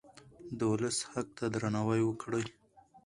د ولس حق ته درناوی وکړئ.